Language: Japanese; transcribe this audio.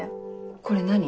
これ何？